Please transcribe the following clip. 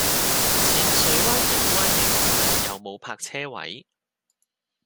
淺水灣影灣園附近有無泊車位？